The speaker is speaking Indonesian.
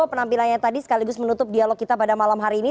penampilannya tadi sekaligus menutup dialog kita pada malam hari ini